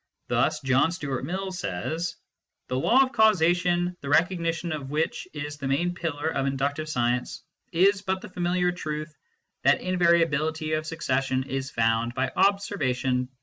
Thus John Stuart Mill says :" The Law of Causation, the recognition of which is the main pillar of inductive science, is but the familiar truth, that x in variability of succession is found by observation to.